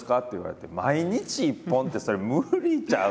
「毎日１本ってそれ無理ちゃう？」